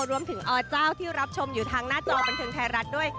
อเจ้าที่รับชมอยู่ทางหน้าจอบันเทิงไทยรัฐด้วย